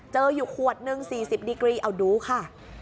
เจออยู่ขวดหนึ่ง๔๐ดีกรีเอาดูค่ะ